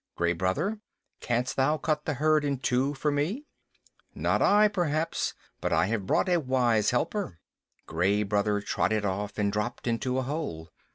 Gray Brother, canst thou cut the herd in two for me?" "Not I, perhaps but I have brought a wise helper." Gray Brother trotted off and dropped into a hole.